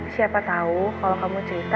siapa tahu kalau kamu cerita